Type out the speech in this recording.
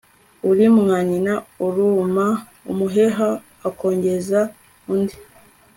uri mwanyina aruma umuheha akongeza undi